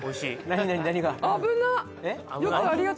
何が？